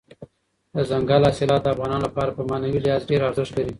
دځنګل حاصلات د افغانانو لپاره په معنوي لحاظ ډېر ارزښت لري.